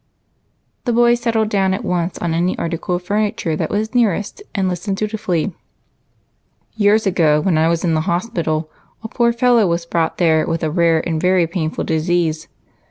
The boys settled down at once on any article of furniture that was nearest and listened dutifully. BROTHER BONES. 225 " Years ago, when I was in the hospital, a poor fel low was brought there with a rare and very painful disease.